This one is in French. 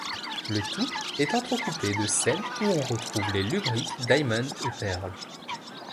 Le tout est entrecoupé de scènes ou on retrouve les lubriques Diamond et Pearl.